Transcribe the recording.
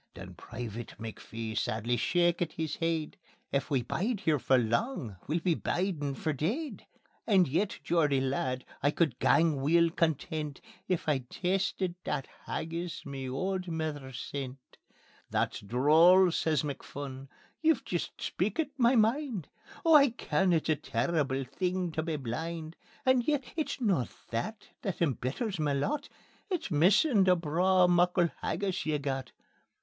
Then Private McPhee sadly shakit his heid: "If we bide here for lang, we'll be bidin' for deid. And yet, Geordie lad, I could gang weel content If I'd tasted that haggis ma auld mither sent." "That's droll," says McPhun; "ye've jist speakit ma mind. Oh I ken it's a terrible thing tae be blind; And yet it's no that that embitters ma lot It's missin' that braw muckle haggis ye've got."